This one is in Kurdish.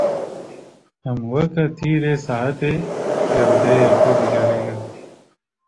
Em weke tîrê saetê gewdeyê xwe bigerînin.